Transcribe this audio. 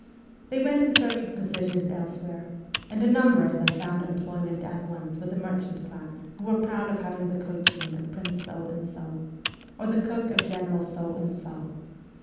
They went in search of positions elsewhere, and a number of them found employment at once with the merchant class, who were proud of having the coachman of Prince So and So, or the cook of General So and So.